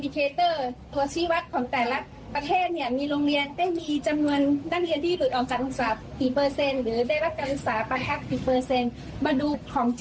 เป็นอย่างมาดู